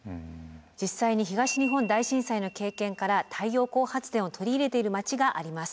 実際に東日本大震災の経験から太陽光発電を取り入れている町があります。